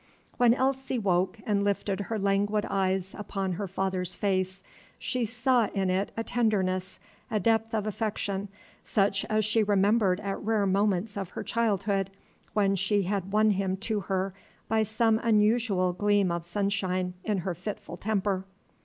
When Elsie woke and lifted her languid eyes upon her father's face, she saw in it a tenderness, a depth of affection, such as she remembered at rare moments of her childhood, when she had won him to her by some unusual gleam of sunshine in her fitful temper.